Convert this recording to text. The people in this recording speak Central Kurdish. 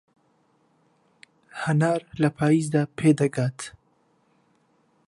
هەنار لە پایزدا پێدەگات.